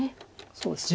そうですね。